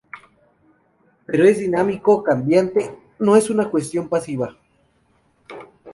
Pero es dinámico, cambiante, no es una cuestión pasiva.